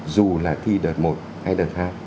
dù là thi đợt một hay đợt hai